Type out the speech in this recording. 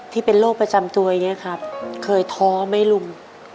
ที่เป็นโรคประจำตัวอย่างนี้ครับเคยท้อไหมลุง